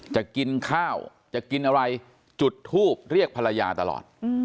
จะกินข้าวจะกินอะไรจุดทูบเรียกภรรยาตลอด